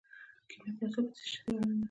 کیمیا په اصل کې د څه شي څیړنه ده.